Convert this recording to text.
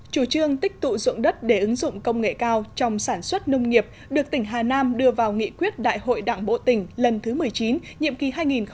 chủ trương tích tụ dụng đất để ứng dụng công nghệ cao trong sản xuất nông nghiệp được tỉnh hà nam đưa vào nghị quyết đại hội đảng bộ tỉnh lần thứ một mươi chín nhiệm kỳ hai nghìn một mươi năm hai nghìn hai mươi